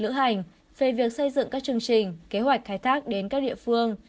lữ hành về việc xây dựng các chương trình kế hoạch khai thác đến các địa phương